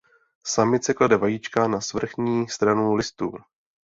Samice klade vajíčka na svrchní stranu listů.